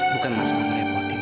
bukan masalah ngerepotin